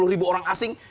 sepuluh ribu orang asing